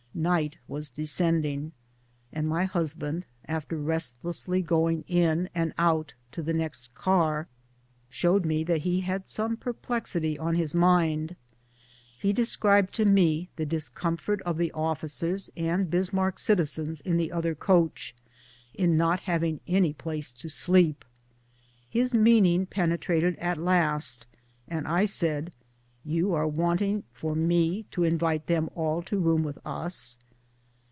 Night was descending, and my husband, after rest lessly going in and out to the next car, showed rae that he had some perplexity on his mind. He described to me the discomfort of the officers and Bismarck citizens in the other coach in not having any place to sleep. His meaning penetrated at last, and I said, " You are waiting for me to invite them all to room with us?"